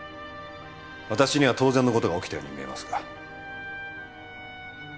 私には当然の事が起きたように見えますが。